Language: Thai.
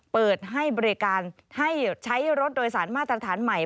เปิดให้บริการให้ใช้รถโดยสารมาตรฐานใหม่